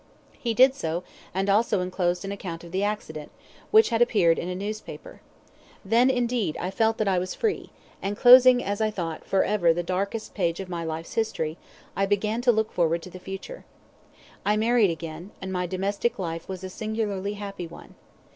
He did so, and also enclosed an account of the accident, which had appeared in a newspaper. Then, indeed, I felt that I was free, and closing, as I thought, for ever the darkest page of my life's history, I began to look forward to the future. I married again, and my domestic life was a singularly happy one.